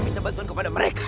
minta bantuan kepada mereka